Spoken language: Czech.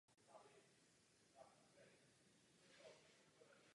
Zpráva pana Florenze se rovněž přiklání k revizi této směrnice.